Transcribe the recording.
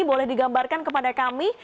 boleh digambarkan kepada kami